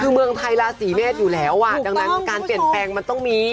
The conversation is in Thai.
คือเมืองไทยราศีเมษอยู่แล้วอ่ะดังนั้นการเปลี่ยนแปลงมันต้องมี